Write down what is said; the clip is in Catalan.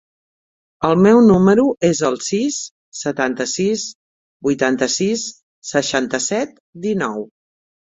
El meu número es el sis, setanta-sis, vuitanta-sis, seixanta-set, dinou.